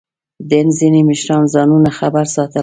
د هند ځینې مشران ځانونه خبر ساتل.